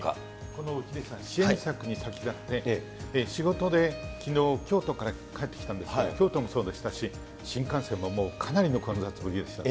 このヒデさん、支援策に先立って、仕事できのう、京都から帰ってきたんですけれども、京都もそうでしたし、新幹線ももう、かなりの混雑ぶりでした。